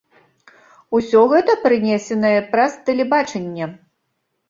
Усё гэта прынесенае праз тэлебачанне.